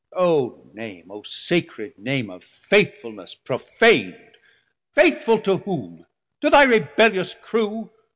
O name, 950 O sacred name of faithfulness profan'd! Faithful to whom? to thy rebellious crew?